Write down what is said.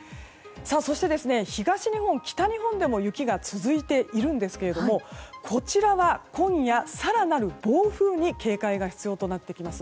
そして東日本、北日本でも雪が続いているんですがこちらは今夜、更なる暴風に警戒が必要となってきそうです。